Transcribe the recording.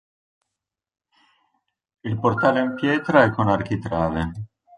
Il portale in pietra è con architrave.